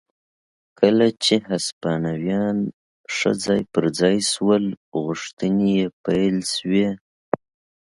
کله چې هسپانویان ښه ځای پر ځای شول غوښتنې یې پیل شوې.